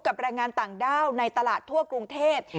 แรงงานต่างด้าวในตลาดทั่วกรุงเทพ